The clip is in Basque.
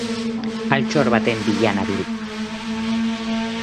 Altxor baten bila nabil.